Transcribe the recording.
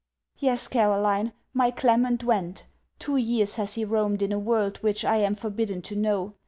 Yes, Caroline, my Clement went. Two years has he roamed in a world which I am forbidden to know.